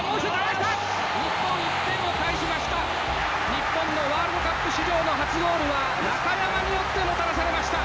日本のワールドカップ史上の初ゴールは中山によってもたらされました。